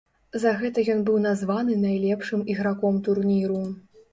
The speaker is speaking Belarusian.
За гэта ён быў названы найлепшым іграком турніру.